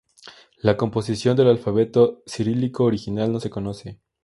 La composición del alfabeto cirílico original no se conoce.